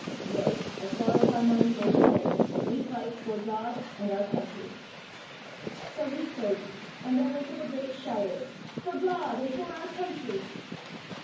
Yea, as far as our minds may discern, we fight for God and our country." So he spoke, and there went up a great shouting, "For God and for our country."